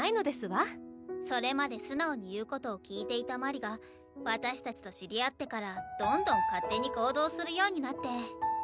それまで素直に言うことを聞いていた鞠莉が私たちと知り合ってからどんどん勝手に行動するようになって。